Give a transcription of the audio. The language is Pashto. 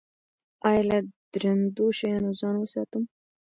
ایا له درندو شیانو ځان وساتم؟